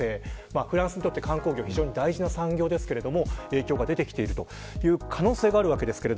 フランスにとっては観光業は非常に大事な産業ですが、影響が出ていきている可能性があります。